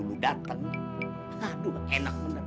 aku akan membunuhmu